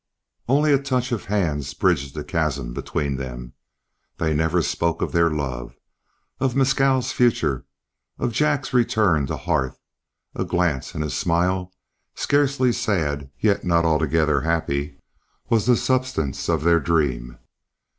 Only a touch of hands bridged the chasm between them. They never spoke of their love, of Mescal's future, of Jack's return to hearth; a glance and a smile, scarcely sad yet not altogether happy, was the substance of their dream.